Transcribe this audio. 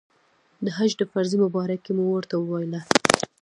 د حج د فرضې مبارکي مو ورته وویله.